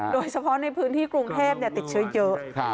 โดยเฉพาะในพื้นที่กรุงเทพติดเชื้อเยอะ